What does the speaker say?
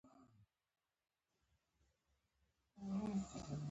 له دې کار نه سپنتا پهلوان خلاص شو او نه محمدزی زلمی رسول.